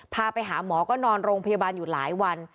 พาไปหาหมอก็นอนโรงพยาบาลอยู่หลายวัน